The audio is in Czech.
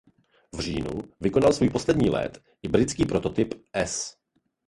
V říjnu vykonal svůj první let i britský prototyp „S“.